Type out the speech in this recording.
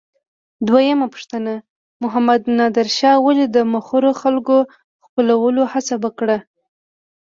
دویمه پوښتنه: محمد نادر شاه ولې د مخورو خلکو خپلولو هڅه وکړه؟